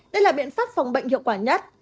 đây là biện pháp phòng bệnh hiệu quả nhất